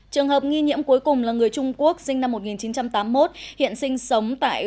trường hợp nghi nhiễm cuối cùng là người trung quốc sinh năm một nghìn chín trăm tám mươi một hiện sinh sống tại